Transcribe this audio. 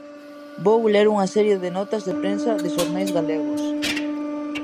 Vou ler unha serie de notas de prensa de xornais galegos.